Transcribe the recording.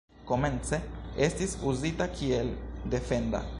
Komence estis uzita kiel defenda.